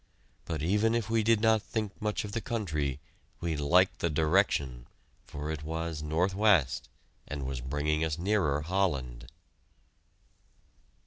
But even if we did not think much of the country, we liked the direction, for it was northwest, and was bringing us nearer Holland.